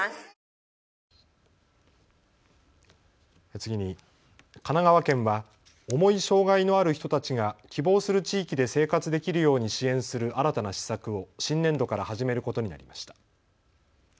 次に、神奈川県は重い障害のある人たちが希望する地域で生活できるように支援する新たな施策を新年度から始めることになりました。